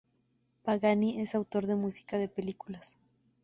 Pagani es autor de música de películas.